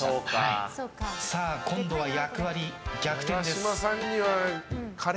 今度は役割逆転です。